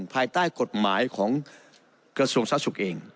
ภายใต้กฎหมายของกระทรวงสาธารณสุขเอง